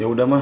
ya udah pak